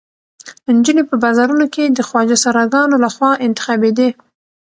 نجونې په بازارونو کې د خواجه سراګانو لخوا انتخابېدې.